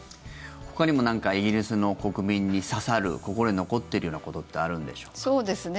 ほかにもなんかイギリスの国民に刺さる心に残っているようなことってあるんでしょうか。